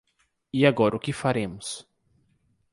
E agora o que faremos?